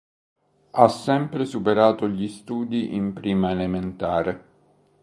Ha sempre superato gli studi in prima elementare.